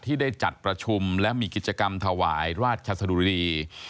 ได้จัดประชุมและมีกิจกรรมถวายราชสะดุดี